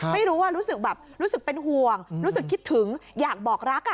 ไม่รู้รู้สึกเป็นห่วงรู้สึกคิดถึงอยากบอกรัก